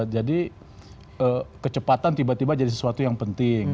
jadi kecepatan tiba tiba jadi sesuatu yang penting